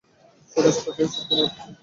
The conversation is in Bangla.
সুরেশ কাকা, এই সব কি নাটক চলছে?